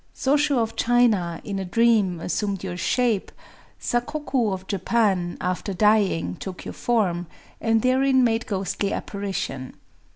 Sōshū of China, in a dream, assumed your shape;—Sakoku of Japan, after dying, took your form, and therein made ghostly apparition.